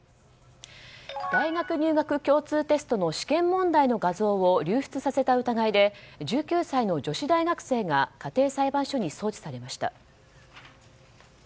大学入学共通テストの試験問題の画像を流出させた疑いで１９歳の女子大学生が家庭裁判所に送致されました。